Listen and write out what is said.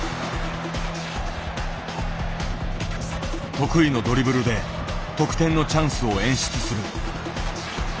得意のドリブルで得点のチャンスを演出する。